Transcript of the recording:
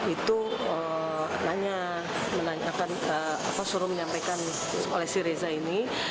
itu menanyakan atau suruh menyampaikan oleh si reza ini